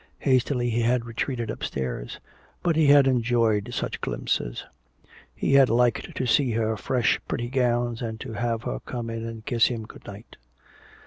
Hastily he had retreated upstairs. But he had enjoyed such glimpses. He had liked to see her fresh pretty gowns and to have her come in and kiss him good night.